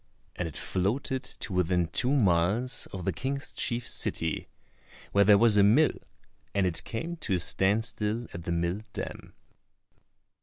And it floated to within two miles of the King's chief city, where there was a mill, and it came to a stand still at the mill dam.